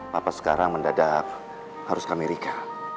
papa sekarang mendadak harus ke amerika